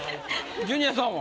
ジュニアさんは？